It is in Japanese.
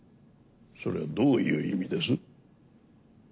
それどういう意味です？